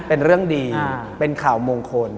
เป็นเรื่องดีเป็นข่าวมงคล